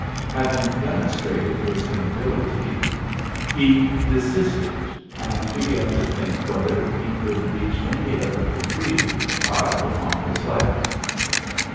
Having demonstrated his inability, he desisted, and began to think whether he could reach any of the débris piled upon his legs.